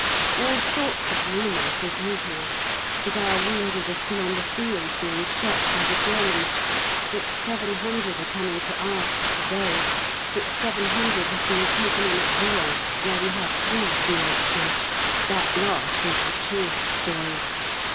All sorts of rumours as usual that our wounded are still on the field, being shot by the Germans, that 700 are coming to Havre to day, that 700 have been taken in at Rouen, where we have three G.H.'s that last is the truest story.